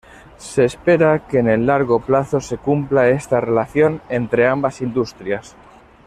Se espera que en el largo plazo se cumpla esta relación entre ambas industrias.